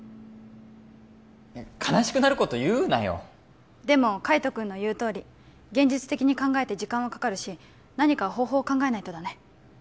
悲しくなること言うなよでも海斗君の言うとおり現実的に考えて時間はかかるし何か方法を考えないとだね